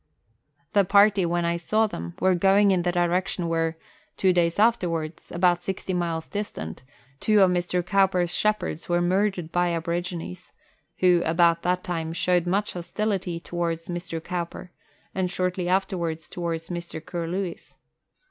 The party, when I saw them, were going in the direction where, two Letters from Victorian Pioneers. 145 days afterwards, about six miles distant, two of Mr. Cowper's shepherds were murdered by aborigines, who, about that time, showed much hostility towards Mr. Cowper, and shortly after wards towards Mr. Curlewis.